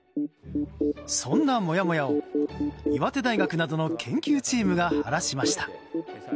そんなモヤモヤを岩手大学などの研究チームが晴らしました。